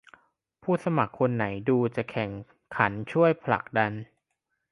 ผู้สมัครคนไหนดูจะแข็งขันช่วยผลักดัน